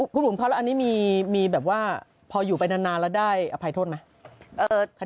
คุณบุ๋มเขาแล้วอันนี้มีแบบว่าพออยู่ไปนานแล้วได้อภัยโทษไหม